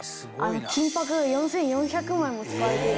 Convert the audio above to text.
金箔が４４００枚も使われているんですね。